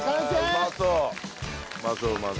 うまそううまそう。